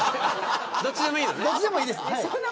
どっちでもいいんです。